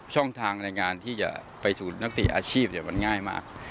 ช่องทางในการที่จะไปสู่นักเตะอาชีพมันง่ายมาก